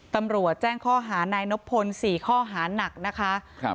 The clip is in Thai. ตำรวจแจ้งห้านายนพล๔ข้อหัสนักนะครับ